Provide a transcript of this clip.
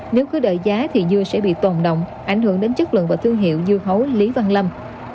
nếu cứ đợi giá thì dưa sẽ bị tồn động ảnh hưởng đến chất lượng và thương hiệu dưa hấu lý văn lâm